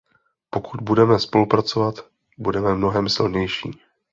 Pokud budeme spolupracovat, budeme mnohem silnější.